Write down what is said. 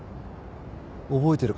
覚えてるか？